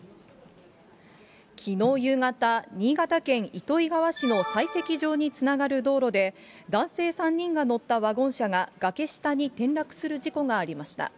きのう夕方、新潟県糸魚川市の採石場につながる道路で、男性３人が乗ったワゴン車が崖下に転落する事故がありました。